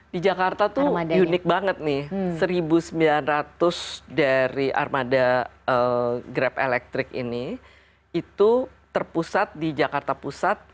di jakarta tuh unik banget nih satu sembilan ratus dari armada grab elektrik ini itu terpusat di jakarta pusat